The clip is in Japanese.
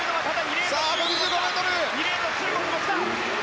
２レーンの中国も来た。